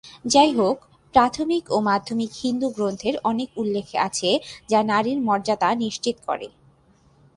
যাইহোক, প্রাথমিক ও মাধ্যমিক হিন্দু গ্রন্থে অনেক উল্লেখ আছে যা নারীর মর্যাদা নিশ্চিত করে।